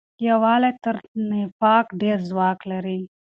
یووالی تر نفاق ډېر ځواک لري.